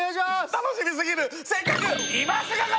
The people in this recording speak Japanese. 楽しみすぎる！